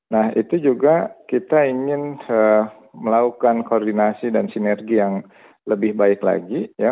nah itu juga kita ingin melakukan koordinasi dan sinergi yang lebih baik lagi